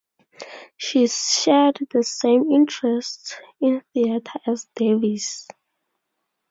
She shared the same interests in theatre as Davies.